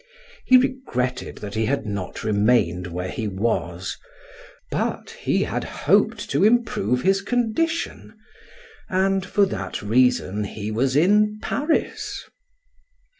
He regretted that he had not remained where he was; but he had hoped to improve his condition and for that reason he was in Paris!